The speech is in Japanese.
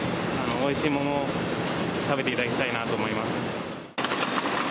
おいしい桃を食べていただきたいなと思います。